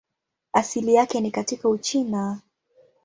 Asili yake ni katika Uchina.